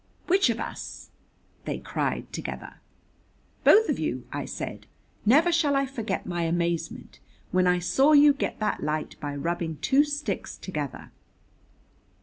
"Which of us?" they cried together. "Both of you," I said. "Never shall I forget my amazement when I saw you get that light by rubbing two sticks together."